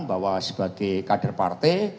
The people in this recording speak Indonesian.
bahwa sebagai kader partai